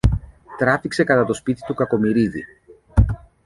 τράβηξε κατά το σπίτι του Κακομοιρίδη.